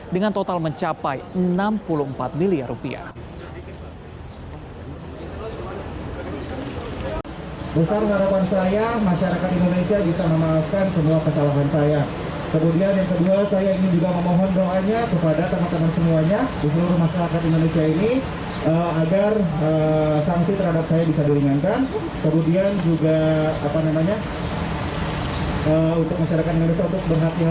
dengan total mencapai enam puluh empat miliar rupiah